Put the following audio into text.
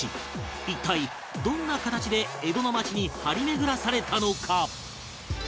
一体どんな形で江戸の町に張り巡らされたのか？